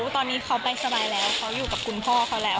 ตอนนี้เขาไปสบายแล้วเขาอยู่กับคุณพ่อเขาแล้ว